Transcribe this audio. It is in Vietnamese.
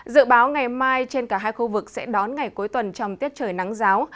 dự báo ngày mai trên cả hai khu vực sẽ đón ngày cuối tuần trong tiết trời nắng giáo